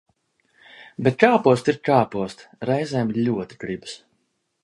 Bet kāposti ir kāposti, reizēm ļoti gribas.